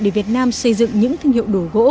để việt nam xây dựng những thương hiệu đổ gỗ